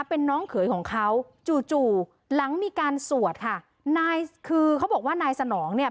เป็นน้องเขยของเขาจู่จู่หลังมีการสวดค่ะนายคือเขาบอกว่านายสนองเนี่ย